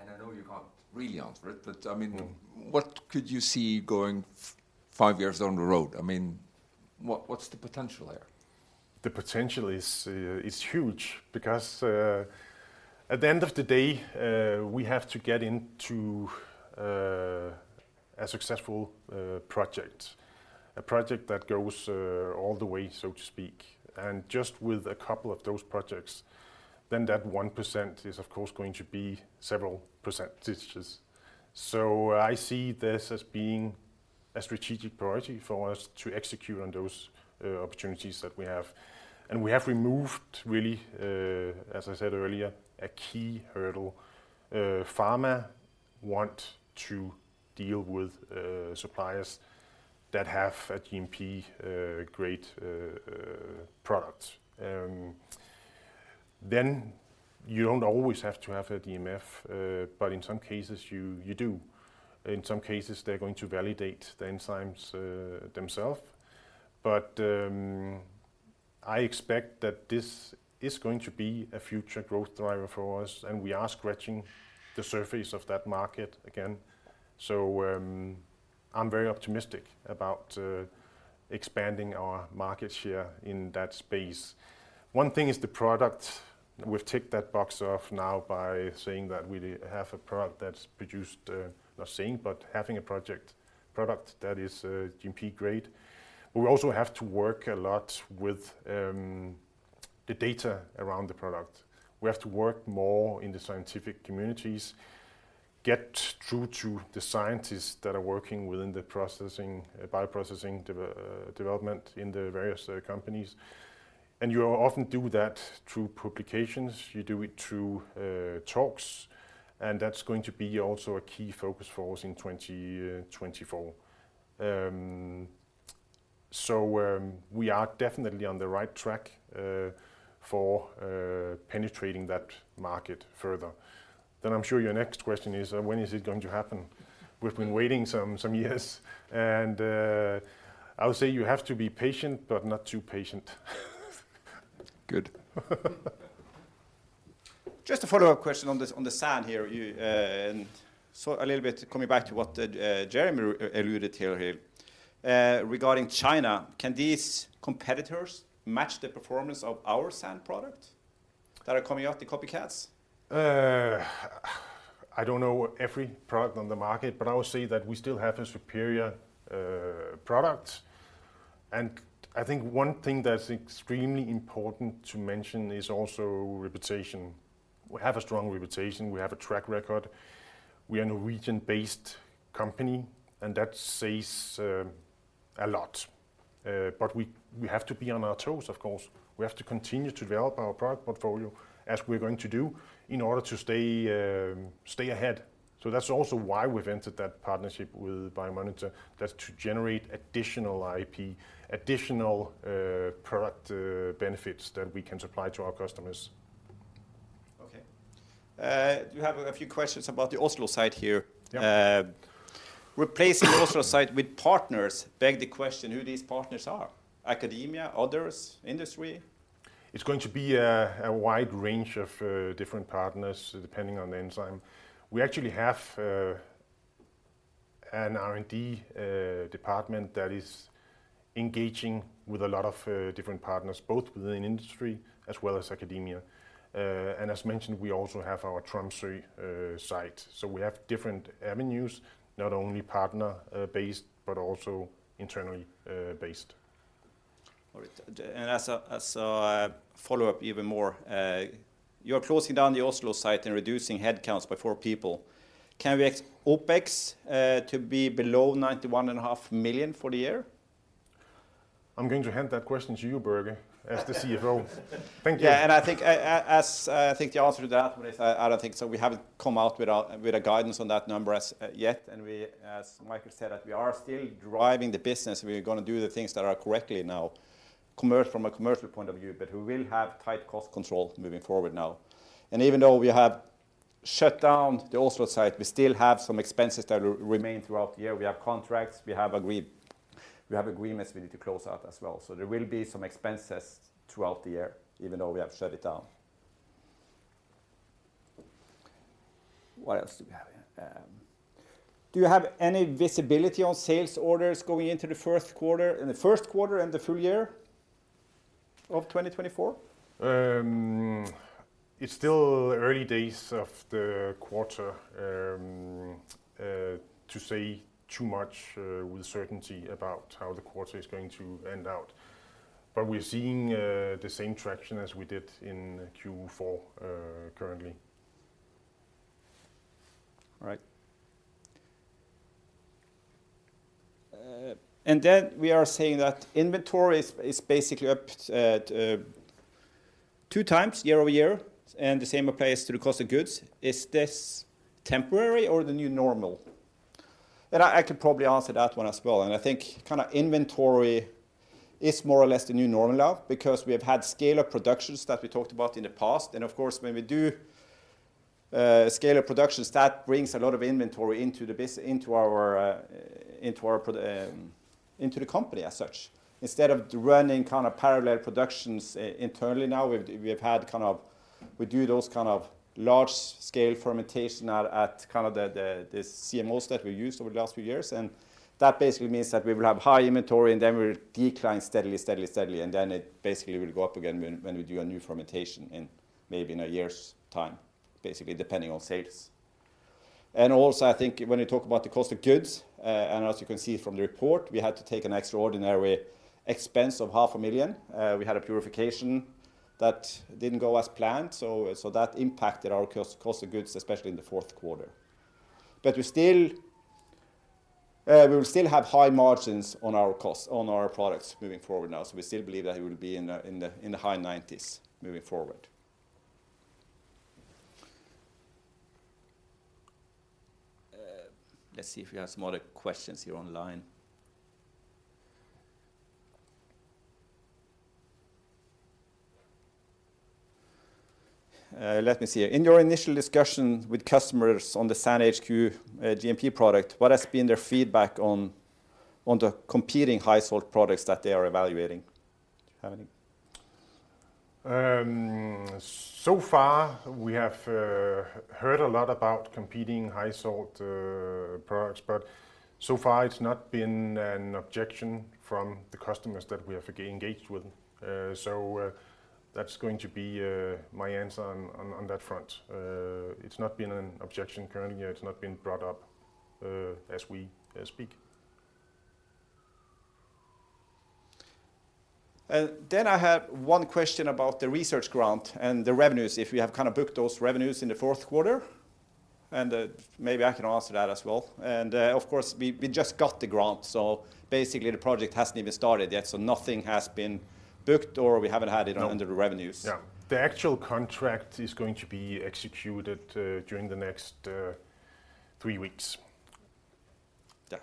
And I know you can't really answer it, but I mean. What could you see five years down the road? I mean, what, what's the potential there? The potential is huge because at the end of the day we have to get into a successful project. A project that goes all the way, so to speak. And just with a couple of those projects, then that 1% is, of course, going to be several percentages. So I see this as being a strategic priority for us to execute on those opportunities that we have. And we have removed really, as I said earlier, a key hurdle. Pharma want to deal with suppliers that have a GMP-grade product. Then you don't always have to have a DMF, but in some cases, you do. In some cases, they're going to validate the enzymes themselves. I expect that this is going to be a future growth driver for us, and we are scratching the surface of that market again. I'm very optimistic about expanding our market share in that space. One thing is the product. We've ticked that box off now by saying that we have a product that's produced, not saying, but having a product that is GMP-grade. We also have to work a lot with the data around the product. We have to work more in the scientific communities, get through to the scientists that are working within the processing, bioprocessing development in the various companies. You often do that through publications, you do it through talks, and that's going to be also a key focus for us in 2024. So, we are definitely on the right track for penetrating that market further. Then I'm sure your next question is, when is it going to happen? We've been waiting some years, and I would say you have to be patient, but not too patient. Good. Just a follow-up question on the, on the SAN here. You, and so a little bit coming back to what, Jeremy alluded to here. Regarding China, can these competitors match the performance of our SAN product, that are coming out, the copycats? I don't know every product on the market, but I would say that we still have a superior product. I think one thing that's extremely important to mention is also reputation. We have a strong reputation, we have a track record. We are a Norwegian-based company, and that says a lot. But we have to be on our toes, of course. We have to continue to develop our product portfolio, as we're going to do, in order to stay ahead. So that's also why we've entered that partnership with Biomatter. That's to generate additional IP, additional product benefits that we can supply to our customers. Okay. You have a few questions about the Oslo site here. Yeah. Replacing the Oslo site with partners beg the question, who these partners are? Academia, others, industry? It's going to be a wide range of different partners, depending on the enzyme. We actually have an R&D department that is engaging with a lot of different partners, both within industry as well as academia. And as mentioned, we also have our Tromsø site. So we have different avenues, not only partner based, but also internally based. All right. And as a follow-up even more, you are closing down the Oslo site and reducing headcounts by four people. Can we expect OpEx to be below 91.5 million for the year? I'm going to hand that question to you, Børge, as the CFO. Thank you. Yeah, and I think as I think the answer to that one is, I don't think so. We haven't come out with a, with a guidance on that number as yet, and we, as Michael said, that we are still driving the business. We are gonna do the things that are correctly now, commercial from a commercial point of view, but we will have tight cost control moving forward now. Even though we have shut down the Oslo site, we still have some expenses that will remain throughout the year. We have contracts, we have agreements we need to close out as well. So there will be some expenses throughout the year, even though we have shut it down. What else do we have here? Do you have any visibility on sales orders going into the first quarter, in the first quarter and the full year of 2024? It's still early days of the quarter to say too much with certainty about how the quarter is going to end out. But we're seeing the same traction as we did in Q4 currently. All right. And then we are saying that inventory is basically up at 2 times year-over-year, and the same applies to the cost of goods. Is this temporary or the new normal? And I could probably answer that one as well. And I think kind of inventory is more or less the new normal now, because we have had scale-up productions that we talked about in the past. And of course, when we do scale-up productions, that brings a lot of inventory into our company as such. Instead of running kind of parallel productions internally now, we've had kind of—we do those kind of large-scale fermentation at kind of the CMOs that we've used over the last few years, and that basically means that we will have high inventory and then we'll decline steadily, and then it basically will go up again when we do a new fermentation in maybe in a year's time, basically, depending on sales. Also, I think when you talk about the cost of goods, and as you can see from the report, we had to take an extraordinary expense of 500,000. We had a purification that didn't go as planned, so that impacted our cost of goods, especially in the fourth quarter. But we still, we will still have high margins on our costs, on our products moving forward now. So we still believe that it will be in the high 90s% moving forward. Let's see if we have some other questions here online. Let me see. In your initial discussion with customers on the SAN HQ GMP product, what has been their feedback on the competing high salt products that they are evaluating? Do you have any? So far we have heard a lot about competing high salt products, but so far it's not been an objection from the customers that we have engaged with. So, that's going to be my answer on that front. It's not been an objection currently, and it's not been brought up as we speak. Then I have one question about the research grant and the revenues, if we have kind of booked those revenues in the fourth quarter, and maybe I can answer that as well. Of course, we just got the grant, so basically the project hasn't even started yet, so nothing has been booked or we haven't had it- No. -under the revenues. Yeah. The actual contract is going to be executed during the next three weeks. Yeah.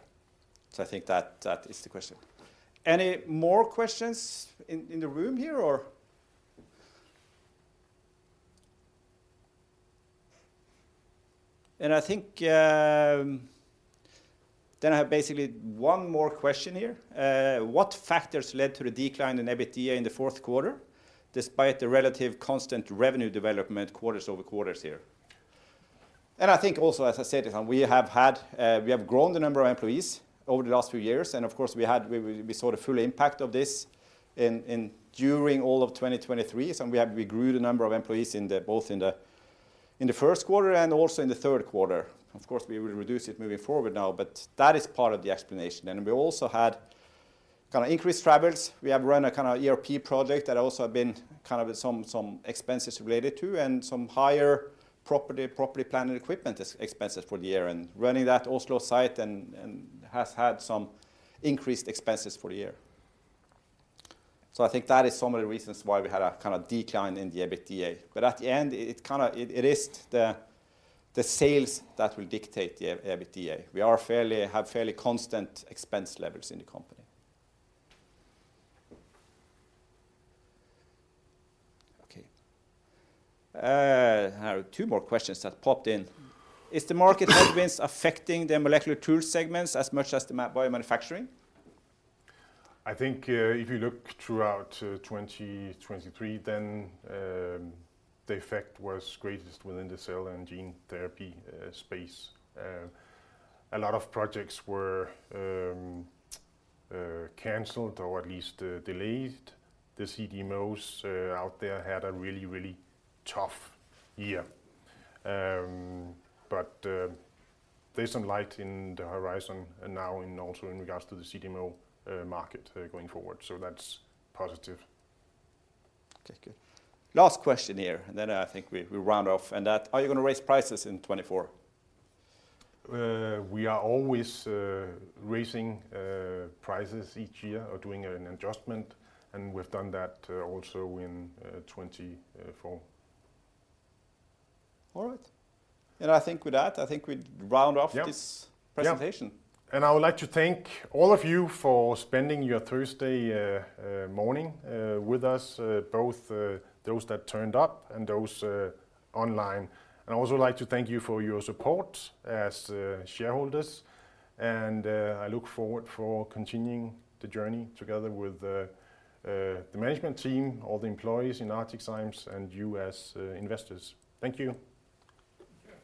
So I think that is the question. Any more questions in the room here, or? And I think then I have basically one more question here. What factors led to the decline in EBITDA in the fourth quarter, despite the relative constant revenue development quarter-over-quarter here? And I think also, as I said, we have grown the number of employees over the last few years, and of course, we saw the full impact of this during all of 2023, and we grew the number of employees both in the first quarter and also in the third quarter. Of course, we will reduce it moving forward now, but that is part of the explanation. And we also had kind of increased travels. We have run a kind of ERP project that also have been kind of some expenses related to, and some higher property, plant and equipment expenses for the year, and running that Oslo site and has had some increased expenses for the year. So I think that is some of the reasons why we had a kind of decline in the EBITDA. But at the end, it kind of. It is the sales that will dictate the EBITDA. We have fairly constant expense levels in the company. Okay. I have two more questions that popped in. Is the market events affecting the molecular tool segments as much as the biomanufacturing? I think, if you look throughout, 2023, then, the effect was greatest within the cell and gene therapy, space. A lot of projects were, canceled or at least, delayed. The CDMOs, out there had a really, really tough year. But, there's some light in the horizon, and now in also in regards to the CDMO, market, going forward. So that's positive. Okay, good. Last question here, and then I think we round off, and that: Are you going to raise prices in 2024? We are always raising prices each year or doing an adjustment, and we've done that also in 2024. All right. And I think with that, I think we'd round off this presentation. Yep. And I would like to thank all of you for spending your Thursday morning with us, both those that turned up and those online. I'd also like to thank you for your support as shareholders, and I look forward to continuing the journey together with the management team, all the employees in ArcticZymes Technologies, and you as investors. Thank you.